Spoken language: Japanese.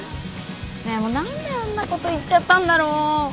ねえもう何であんなこと言っちゃったんだろ。